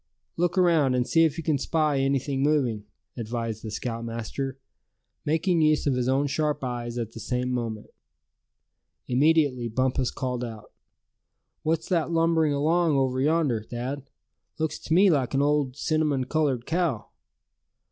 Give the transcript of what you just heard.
"Look around, and see if you can spy anything moving," advised the scoutmaster, making use of his own sharp eyes at the same moment. Immediately Bumpus called out: "What's that lumbering along over yonder, Thad? Looks to me like an old, cinnamon colored cow."